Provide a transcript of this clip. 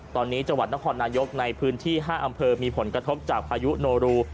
ตอนนี้จังหวัดนครนายกในพื้นที่๕อำเภอมีผลกระทบจากพายุโนรู